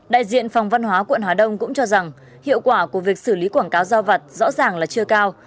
đại diện phòng văn hóa quận hà đông cũng cho rằng hiệu quả của việc xử lý quảng cáo giao vặt rõ ràng là chưa cao